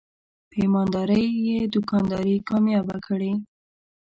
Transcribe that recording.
په ایماندارۍ یې دوکانداري کامیابه کړې.